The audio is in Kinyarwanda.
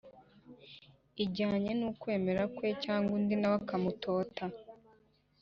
ijyanye n’ukwemera kwe cyangwa undi na we akamutota